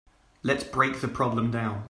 Let's break the problem down.